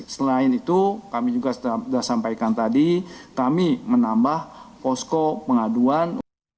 selain itu kami juga sudah sampaikan tadi kami menambah posko pengaduan